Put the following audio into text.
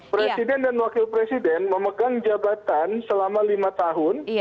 presiden dan wakil presiden memegang jabatan selama lima tahun